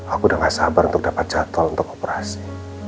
aku udah gak sabar untuk dapat jadwal untuk operasi